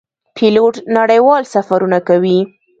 پیلوټ نړیوال سفرونه کوي.